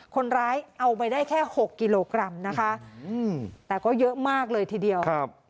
คนร้ายเอาไปได้แค่๖กิโลกรัมนะคะแต่ก็เยอะมากเลยทีเดียวครับ